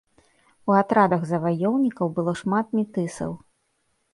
У атрадах заваёўнікаў было шмат метысаў.